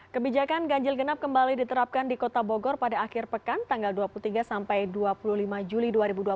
kebijakan ganjil genap kembali diterapkan di kota bogor pada akhir pekan tanggal dua puluh tiga sampai dua puluh lima juli dua ribu dua puluh